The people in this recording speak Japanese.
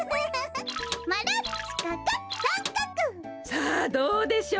さあどうでしょう？